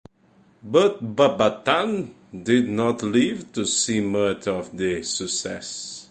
But Ba Than did not live to see much of the success.